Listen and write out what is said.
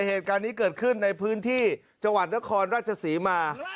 เหตุการณ์นี้เกิดขึ้นในพื้นที่จังหวัดนครราชศรีมา